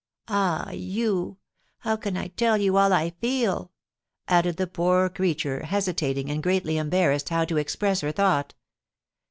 ah, you! how can I tell you all I feel?" added the poor creature, hesitating, and greatly embarrassed how to express her thought.